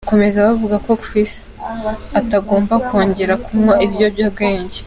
Bakomeza bavuga ko Chris atagomba kongera kunywa ibiyobyabwenge.